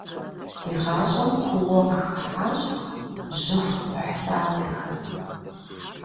Ди гъащӏэм куууэ къыхыхьащ жьыхукхъухьлъатэхэр.